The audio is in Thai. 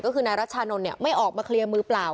ก็คือนายรัชชานนท์เนี่ยไม่ออกมาเคลียร์มือเปล่า